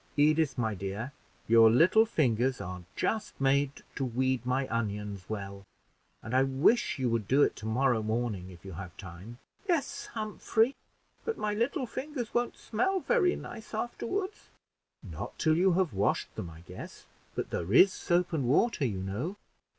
"Edith, my dear, your little fingers are just made to weed my onions well, and I wish you would do it to morrow morning, if you have time." "Yes, Humphrey, but my little fingers won't smell very nice afterward." "Not till you have washed them, I guess; but there is soap and water, you know."